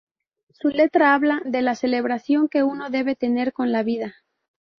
Su letra habla de la celebración que uno debe tener con la vida.